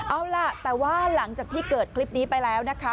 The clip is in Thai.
เอาล่ะแต่ว่าหลังจากที่เกิดคลิปนี้ไปแล้วนะคะ